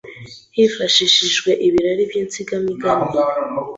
Hifashishijwe ibirari by’insigamigani